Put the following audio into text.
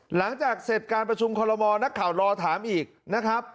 หลังจากเสร็จการประชุมคอลโมนักข่าวรอถามอีกนะครับ